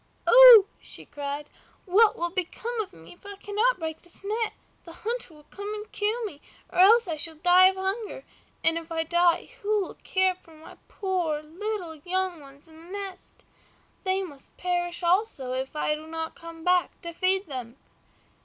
"Oh!" she cried, "what will become of me if I cannot break this net? The hunter will come and kill me, or else I shall die of hunger, and if I die who will care for my poor little young ones in the nest? They must perish also if I do not come back to feed them."